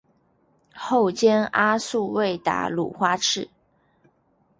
后兼阿速卫达鲁花赤。